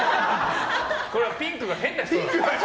これはピンクが変な人なの。